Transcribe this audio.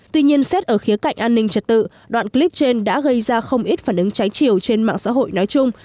tuy nhiên xét ở khía cạnh an ninh trật tự đoạn clip trên đã gây ra không ít phản ứng trái chiều trên mạng xã hội nói chung